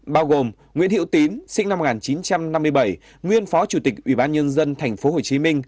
bao gồm nguyễn hiệu tín sinh năm một nghìn chín trăm năm mươi bảy nguyên phó chủ tịch ủy ban nhân dân tp hcm